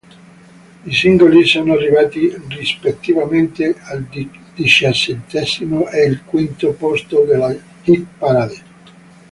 I singoli sono arrivati rispettivamente al diciassettesimo e al quinto posto della hit parade.